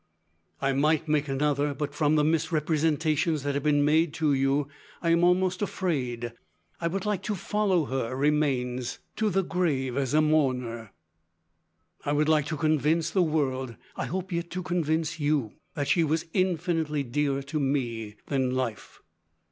"I might make another, but from the misrepresentations that have been made to you, I am almost afraid. I would like to follow her remains, to the grave as a mourner. I would like to convince the world, I hope yet to convince you, that she was infinitely dearer to me than life.